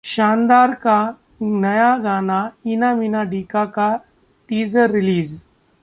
शानदार का नया गाना 'ईना मीना डिका' का टीजर रिलीज